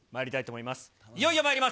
いよいよまいります。